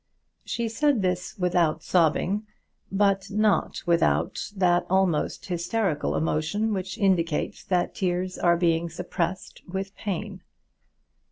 She said this without sobbing, but not without that almost hysterical emotion which indicates that tears are being suppressed with pain.